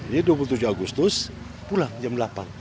jadi dua puluh tujuh agustus pulang jam delapan